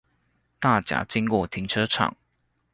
大甲經國停車場